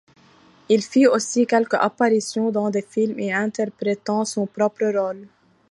Il fit aussi quelques apparitions dans des films, en y interprétant son propre rôle.